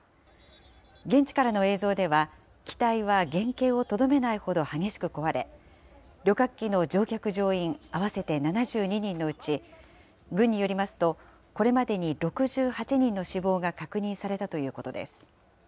現地からの映像では、機体は原形をとどめないほど激しく壊れ、旅客機の乗客・乗員合わせて７２人のうち、軍によりますと、これまでに６８人の死亡が確認されたということです。